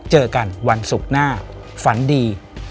เจอกันวันศุกร์หน้าฝันดี